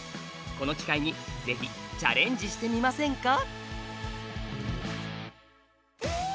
この機会にぜひチャレンジしてみませんか？